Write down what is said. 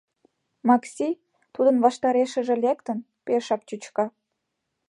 Макси, тудын ваштарешыже лектын, пешак чӱчка.